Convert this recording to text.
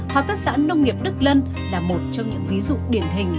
hợp tác xã nông nghiệp đức lân là một trong những ví dụ điển hình